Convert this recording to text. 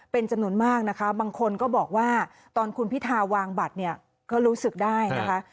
เป็นจำนวนมากนะคะบางคนก็บอกว่าตอนคุณพิธาวางบัตรเนี่ยก็รู้สึกได้นะคะ